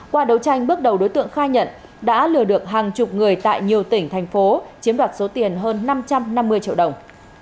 qua đấu tranh bước đầu đối tượng khai nhận đã lừa được hàng chục người tại nhiều tỉnh thành phố chiếm đoạt số tiền hơn năm trăm năm mươi triệu đồng